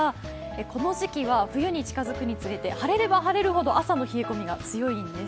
この時期は冬に近づくにつれて、晴れれば晴れるほど朝の冷え込みが強いんです。